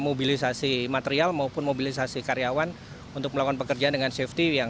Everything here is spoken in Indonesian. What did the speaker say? mobilisasi material maupun mobilisasi karyawan untuk melakukan pekerjaan dengan safety yang